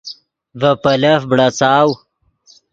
ڤے پیلف بڑاڅاؤ